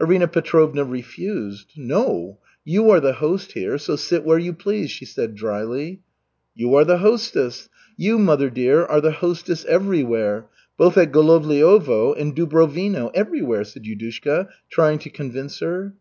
Arina Petrovna refused. "No, you are the host here, so sit where you please," she said drily. "You are the hostess. You, mother dear, are the hostess everywhere, both at Golovliovo and Dubrovino, everywhere," said Yudushka, trying to convince her.